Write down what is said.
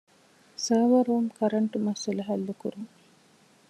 ސަރވަރ ރޫމް ކަރަންޓު މައްސަލަ ޙައްލުކުރުން